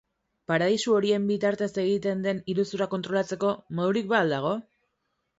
Paradisu horien bitartez egiten den iruzurra kontrolatzeko modurik ba ahal dago?